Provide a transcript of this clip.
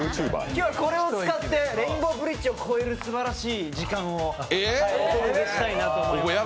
今日はこれを使ってレインボーブリッジを超えるすばらしい時間をお届けしたいなと。